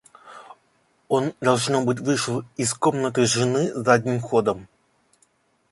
Он, должно быть, вышел из комнаты жены задним ходом.